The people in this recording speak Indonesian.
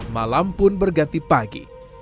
malam pun berganti pagi